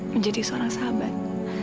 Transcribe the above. menjadi seorang sahabat